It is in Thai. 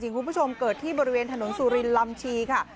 คุณผู้ชมเกิดที่บริเวณถนนสุรินลำชีค่ะ